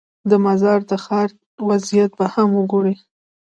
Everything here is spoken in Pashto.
د مزار د ښار وضعیت به هم وګورې.